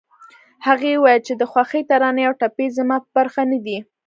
هغې وويل چې د خوښۍ ترانې او ټپې زما په برخه نه دي